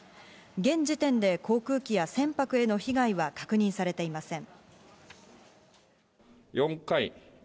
現時点で航空機や船舶への被害は確認されていません。